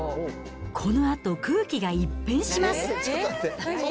このあと、空気が一変します。